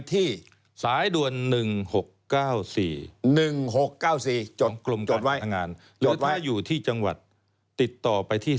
ที่อยู่ที่จังหวัดติดต่อไปที่